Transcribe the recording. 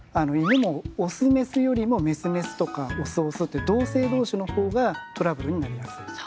犬もオスメスよりもメスメスとかオスオスって同性同士の方がトラブルになりやすい。